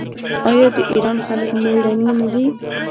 آیا د ایران خلک میړني نه دي؟